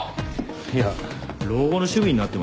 いや老後の趣味になってません？